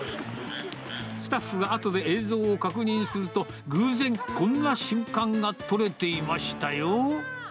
スタッフがあとで映像を確認すると、偶然、こんな瞬間が撮れていましたよ。